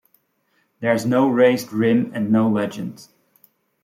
There is no raised rim and no legend.